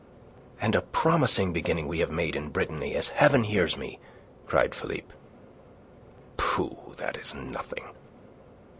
"And a promising beginning we have made in Brittany, as Heaven hears me!" cried Philippe. "Pooh! That is nothing.